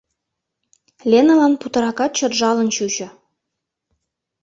Леналан путыракат чот жалын чучо.